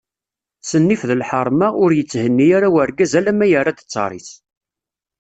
S nnif d lḥerma, ur yetthenni ara urgaz alamma yerra-d ttar-is.